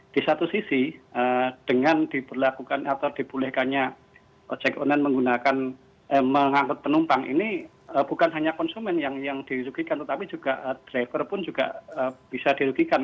di satu sisi dengan diberlakukan atau dibolehkannya ojek online menggunakan mengangkut penumpang ini bukan hanya konsumen yang dirugikan tetapi juga driver pun juga bisa dirugikan